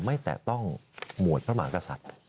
ไม่แต่ต้องหมวดพระหมากษัตริย์